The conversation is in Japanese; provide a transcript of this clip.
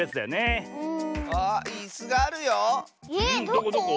どこどこ？